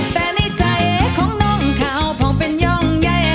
แต่ในใจของน้องเขาพองเป็นย่องแย่